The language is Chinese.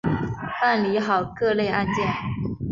办理好各类案件